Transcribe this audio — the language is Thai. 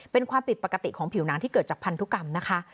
เป็นความผิดปกติของผิวหนังที่เกิดจากพันธุกรรมนะคะ